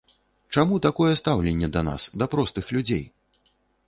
Чаму такое стаўленне да нас, да простых людзей?